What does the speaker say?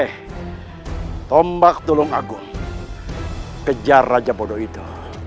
kau baktoong agung kejar raja bodoh itu